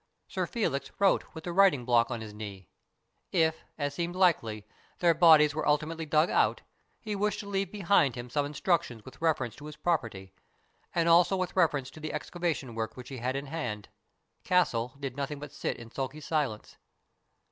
Sir Felix wrote with the writ ing block on his knee. If, as seemed likely, their bodies were ultimately dug out, he wished to leave behind him some instructions witn reference to his property, and also with reference to the ex cavation work which he had in hand. Castle did nothing but sit in sulky silence.